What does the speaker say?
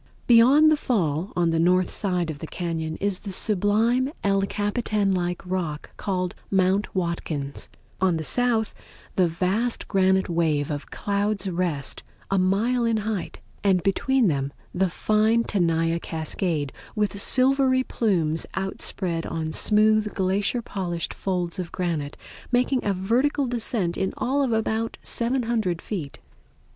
Beyond the Fall, on the north side of the cañon is the sublime Ed Capitan like rock called Mount Watkins; on the south the vast granite wave of Clouds' Rest, a mile in height; and between them the fine Tenaya Cascade with silvery plumes outspread on smooth glacier polished folds of granite, making a vertical descent in all of about 700 feet.